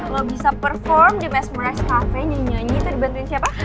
lo bisa perform di mesmerize cafe nyanyi nyanyi tuh dibantuin siapa